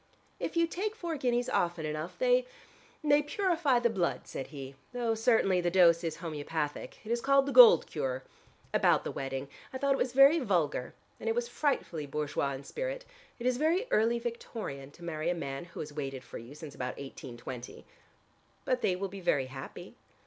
"If you take four guineas often enough they they purify the blood," said he, "though certainly the dose is homeopathic. It is called the gold cure. About the wedding. I thought it was very vulgar. And it was frightfully bourgeois in spirit. It is very early Victorian to marry a man who has waited for you since about 1820." "But they will be very happy."